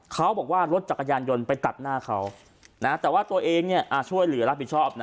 เขาบอกว่ารถจักรยานยนต์ไปตัดหน้าเขาแต่ว่าตัวเองช่วยเหลือรับผิดชอบนะ